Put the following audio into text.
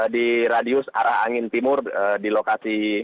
di radius arah angin timur di lokasi